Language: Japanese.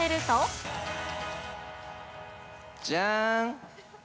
じゃーん。